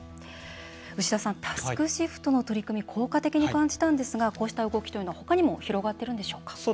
牛田さん、タスクシフトの取り組み、効果的に感じたんですがこうした動きというのは他にも広がっているんでしょうか。